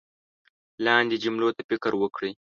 لاندې جملو ته فکر وکړئ